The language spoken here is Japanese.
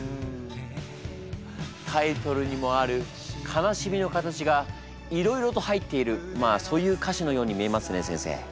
タイトルにもある悲しみの形がいろいろと入っているそういう歌詞のように見えますね先生。